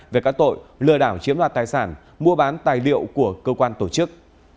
oai bắt tội lừa đảo chiếm đoạt tài sản mua bán tài liệu của cơ quan tổ chức